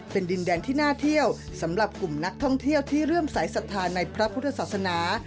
เป็นดินแดนที่น่าเที่ยวสำหรับกลุ่มนักท่องเที่ยวที่เริ่มสายศรัทธาในพระพุทธศาสนา